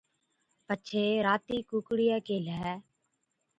پڇي راتِي ڪُوڪڙِيئَي ڪيھلَي۔